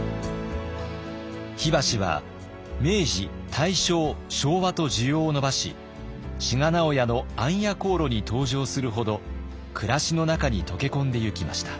火箸は明治大正昭和と需要を伸ばし志賀直哉の「暗夜行路」に登場するほど暮らしの中に溶け込んでいきました。